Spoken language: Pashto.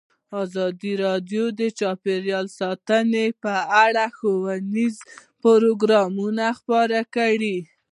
ازادي راډیو د چاپیریال ساتنه په اړه ښوونیز پروګرامونه خپاره کړي.